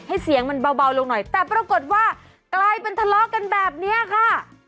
เสียงมันเบาลงหน่อยแต่ปรากฏว่ากลายเป็นทะเลาะกันแบบนี้ค่ะ